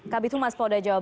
khabi tumas pol dejabar